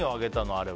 あれは。